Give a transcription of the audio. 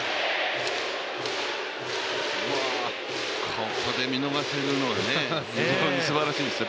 ここで見逃せるのは非常にすばらしいですね。